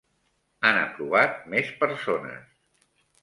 Han aprovat més persones.